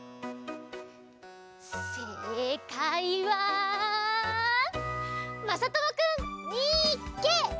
せいかいはまさともくんみっけ！